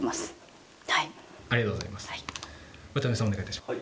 渡邊さん、お願い致します。